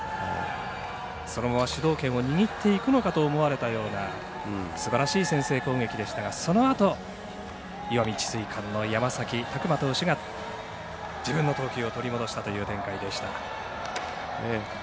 その後は主導権を握っていくのかと思われたようなすばらしい先制攻撃でしたがそのあと石見智翠館の山崎琢磨投手が自分の投球を取り戻したという展開でした。